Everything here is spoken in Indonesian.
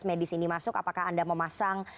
medis ini masuk apakah anda memasang